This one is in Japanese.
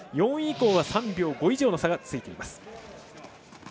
４位以降は３秒５以上の差がついています。